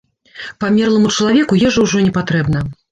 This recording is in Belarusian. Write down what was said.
Памерламу чалавеку ежа ўжо не патрэбна.